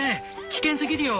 危険すぎるよ！」